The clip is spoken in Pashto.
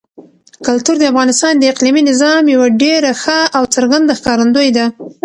کلتور د افغانستان د اقلیمي نظام یوه ډېره ښه او څرګنده ښکارندوی ده.